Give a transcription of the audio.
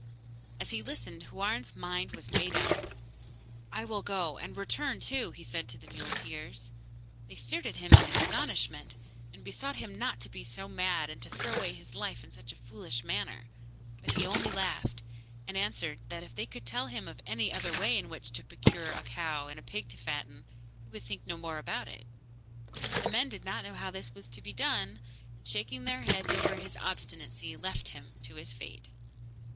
As he listened Houarn's mind was made up. 'I will go, and return too,' he said to the muleteers. They stared at him in astonishment, and besought him not to be so mad and to throw away his life in such a foolish manner; but he only laughed, and answered that if they could tell him of any other way in which to procure a cow and a pig to fatten, he would think no more about it. But the men did not know how this was to be done, and, shaking their heads over his obstinacy, left him to his fate.